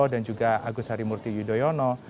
dan juga agus harimurti yudhoyono